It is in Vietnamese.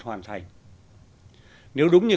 hoàn thành nếu đúng như